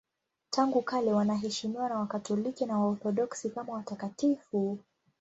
Tangu kale wanaheshimiwa na Wakatoliki na Waorthodoksi kama watakatifu.